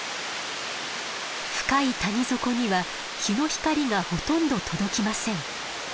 深い谷底には日の光がほとんど届きません。